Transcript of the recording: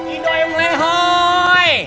idua yang lehoi